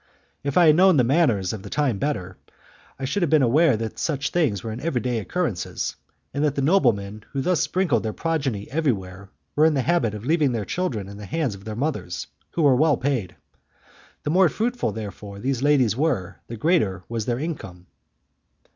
If I had known the manners of the time better, I should have been aware that such things were every day occurrences, and that the noblemen who thus sprinkled their progeny everywhere were in the habit of leaving their children in the hands of their mothers, who were well paid. The more fruitful, therefore, these ladies were, the greater was their income.